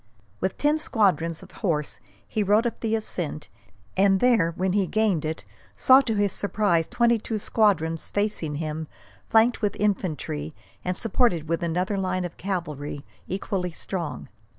With ten squadrons of horse he rode up the ascent, and there, when he gained it, saw to his surprise twenty two squadrons facing him, flanked with infantry, and supported with another line of cavalry equally strong.